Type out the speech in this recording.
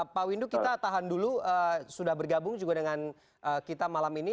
pak windu kita tahan dulu sudah bergabung juga dengan kita malam ini